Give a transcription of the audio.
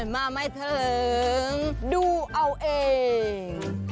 มาไม่ถึงดูเอาเอง